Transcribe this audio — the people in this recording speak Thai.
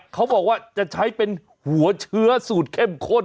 เขาบอกว่าจะใช้เป็นหัวเชื้อสูตรเข้มข้น